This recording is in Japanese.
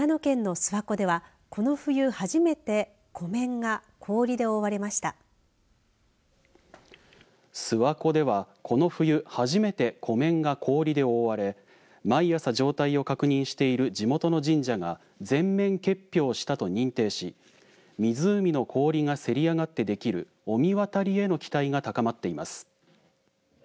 諏訪湖では、この冬初めて湖面が氷で覆われ毎朝状態を確認している地元の神社が全面結氷したと認定し湖の氷がせり上がってできる御神渡りへの期待が高まっています。